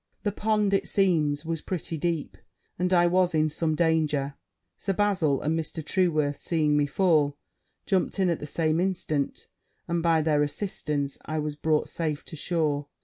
The pond, it seems, was pretty deep; and I was in some danger. Sir Bazil and Mr. Trueworth, seeing me fall, jumped in at the same instant; and, by their assistance I was brought safe to shore.